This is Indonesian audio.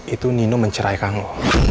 itu nino menceraikan lo